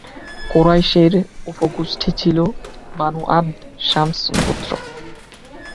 কুরাইশের উপ-গোষ্ঠী ছিলো বানু আব্দ-শামস গোত্র।